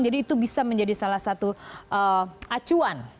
jadi itu bisa menjadi salah satu acuan